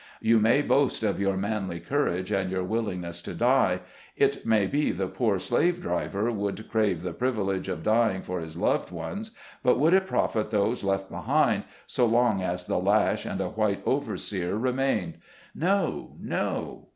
You may boast of your manly courage and your willing ness to die ; it may be the poor slave driver would crave the privilege of dying for his loved ones, but would it profit those left behind, so long as the lash and a white overseer remained ? No ! no